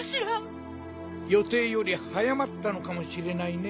よていよりはやまったのかもしれないね。